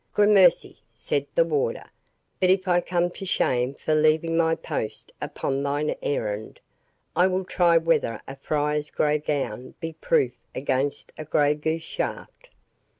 "Gramercy," said the warder; "but if I come to shame for leaving my post upon thine errand, I will try whether a friar's grey gown be proof against a grey goose shaft."